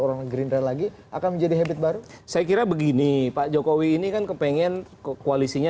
orang gerindra lagi akan menjadi habit baru saya kira begini pak jokowi ini kan kepengen koalisinya